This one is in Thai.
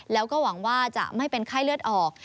แล้วก็หวังว่าจะไม่เป็นไข้เลือดออก